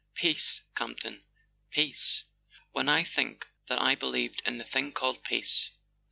"Peace, Campton —Peace ? When I think that I believed in a thing called Peace!